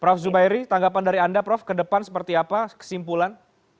prof zuhairi tanggapan dari anda prof kedepan seperti apa kesimpulan